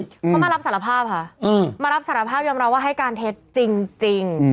เขามารับสารภาพค่ะมารับสารภาพยอมรับว่าให้การเท็จจริง